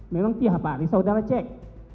memang tiap hari saudara cek